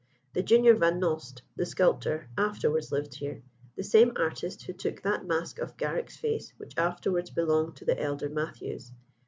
The junior Van Nost, the sculptor, afterwards lived here the same artist who took that mask of Garrick's face which afterwards belonged to the elder Mathews.